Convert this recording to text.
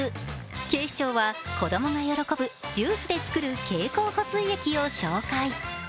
警視庁は子供が喜ぶジュースで作る経口補水液を紹介。